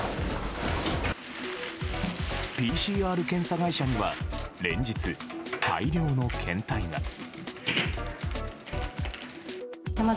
ＰＣＲ検査会社には連日、大量の検体が。